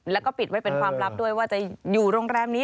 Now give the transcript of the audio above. แล้วก็ปิดไว้เป็นความลับด้วยว่าจะอยู่โรงแรมนี้